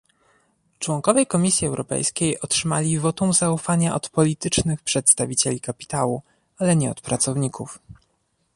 Członkowie Komisji Europejskiej otrzymali wotum zaufania od politycznych przedstawicieli kapitału, ale nie od pracowników